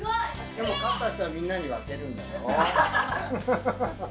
でも勝った人はみんなに分けるんだよ。